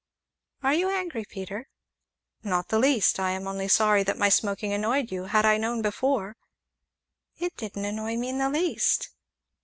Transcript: "Are you angry, Peter?" "Not in the least; I am only sorry that my smoking annoyed you had I known before " "It didn't annoy me in the least!"